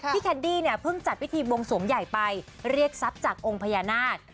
แคนดี้เนี่ยเพิ่งจัดพิธีบวงสวงใหญ่ไปเรียกทรัพย์จากองค์พญานาค